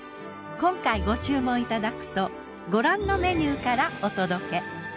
今回ご注文いただくとご覧のメニューからお届け。